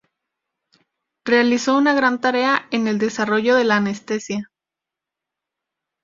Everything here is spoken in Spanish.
Realizó un gran tarea en el desarrollo de la anestesia.